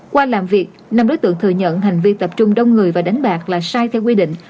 qua làm việc năm đối tượng thừa nhận hành vi tập trung đông người và đánh bạc là sai theo quy định